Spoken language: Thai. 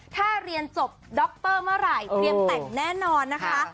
ถ้าเรียนจบดรเมื่อไหร่เตรียมแต่งแน่นอนนะคะ